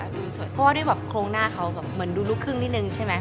เพราะว่าด้วยแบบโครงหน้าเขาแบบเหมือนดูลูกครึ่งนิดนึงใช่ไหม